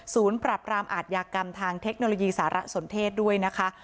ปรับรามอาทยากรรมทางเทคโนโลยีสารสนเทศด้วยนะคะ